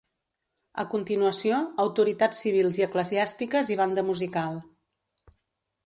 A continuació, autoritats civils i eclesiàstiques i banda musical.